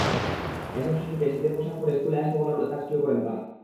এসব শিশুকে শীতের পোশাক পরে স্কুলে আসতে বলার কাজটিও করেন তাঁরা।